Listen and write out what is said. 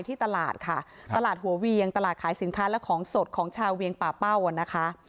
ที่ตลาดค่ะตลาดหัวเวียงตลาดขายสินค้าและของสดของชาวเวียงป่าเป้าอ่ะนะคะ